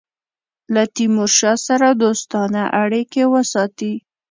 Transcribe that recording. له تیمورشاه سره دوستانه اړېکي وساتي.